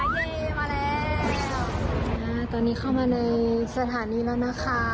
เยมมาแล้วอ่าตอนนี้เข้ามาในสถานีแล้วนะคะ